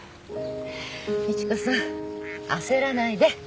美知子さん焦らないで。